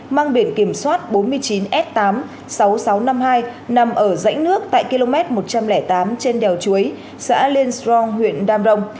mang biển kiểm soát bốn mươi chín s tám sáu nghìn sáu trăm năm mươi hai nằm ở rãnh nước tại km một trăm linh tám trên đèo chuối xã lên strong huyện đam rông